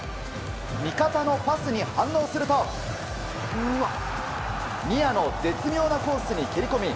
味方のパスに反応するとニアの絶妙なコースに蹴り込み